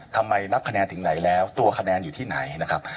นับคะแนนถึงไหนแล้วตัวคะแนนอยู่ที่ไหนนะครับ